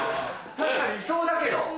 確かにいそうだけど。